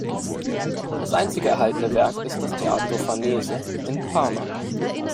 Das einzige erhaltene Werk ist das Teatro Farnese in Parma.